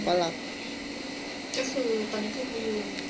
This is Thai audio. คือตอนนี้คือพยุงไว้